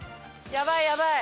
やばいやばい！